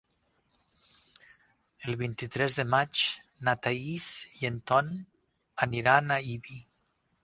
El vint-i-tres de maig na Thaís i en Ton aniran a Ibi.